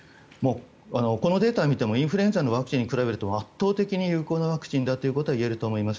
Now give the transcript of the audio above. このデータを見てもインフルエンザのワクチンに比べると圧倒的に有効なワクチンだと言えると思います。